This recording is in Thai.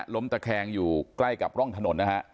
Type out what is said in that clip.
ตะแคงอยู่ใกล้กับร่องถนนนะฮะ